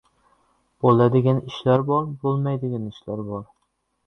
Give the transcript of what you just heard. Boʻladigan ishlar bor, boʻlmaydigan ishlar bor.